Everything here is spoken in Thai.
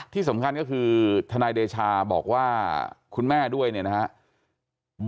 ที่สำคัญก็คือทนายเดชาบอกว่าคุณแม่ด้วยเนี่ยนะครับ